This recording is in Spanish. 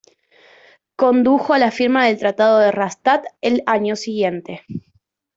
Condujo a la firma del Tratado de Rastatt el año siguiente.